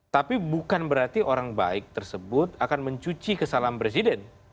tapi bukan berarti orang baik tersebut akan mencuci kesalahan presiden